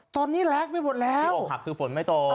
ตอนนี้แรงไปหมดแล้วอกหักคือฝนไม่ตก